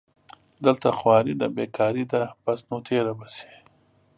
دلته خواري دې بېکاري ده بس نو تېره به شي